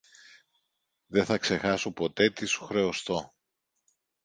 Δε θα ξεχάσω ποτέ τι σου χρεωστώ.